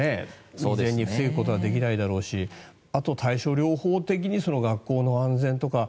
未然に防ぐことはできないだろうしあと、対症療法的に学校の安全とか。